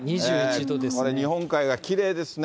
これ、日本海がきれいですね。